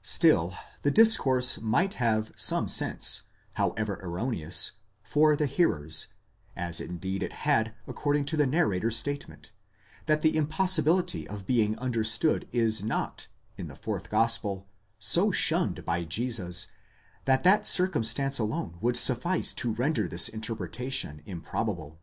Still the discourse might have some sense, however erroneous, for the hearers, as indeed it had, according to the narrator's statement ; and the impossibility of being understood is not, in the fourth gospel, so shunned by Jesus, that that circumstance alone would suffice to render this interpretation improbable.